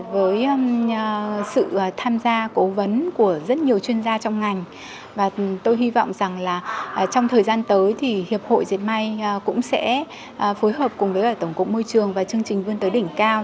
với sự tham gia cố vấn của rất nhiều chuyên gia trong ngành tôi hy vọng trong thời gian tới hiệp hội diệt may cũng sẽ phối hợp cùng tổng cục môi trường và chương trình vươn tới đỉnh cao